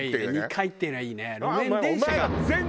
２階っていうのはいいね。